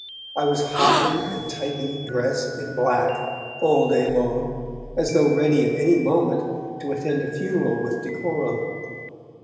I was hotly and tightly dressed in black, all day long, as though ready at any moment to attend a funeral with decorum.